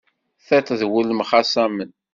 Tiṭ d wul mxaṣamen.